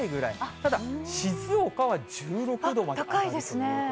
ただ、静岡は１６度まで上高いですね。